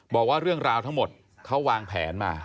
บอกว่าเรื่องราวทั้งหมดเขาวางแผนมา